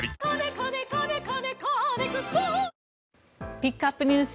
ピックアップＮＥＷＳ